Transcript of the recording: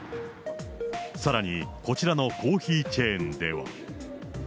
さらにこちらのコーヒーチェーンでは。